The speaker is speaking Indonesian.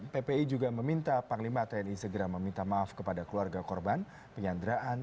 ppi juga meminta panglima tni segera meminta maaf kepada keluarga korban penyanderaan